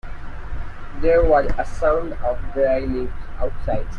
There was a sound of dry leaves outside.